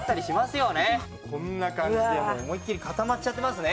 こんな感じでもう思いっきり固まっちゃってますね。